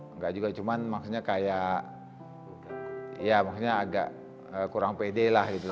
enggak juga cuman maksudnya kayak ya maksudnya agak kurang pede lah gitu